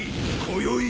こよい